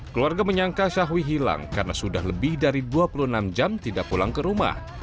keluarga menyangka syahwi hilang karena sudah lebih dari dua puluh enam jam tidak pulang ke rumah